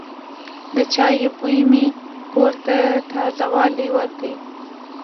د چای بوی مې کور ته تازه والی ورکړ.